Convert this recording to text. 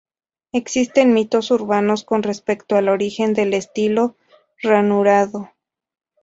Existen mitos urbanos con respecto al origen del estilo ranurado.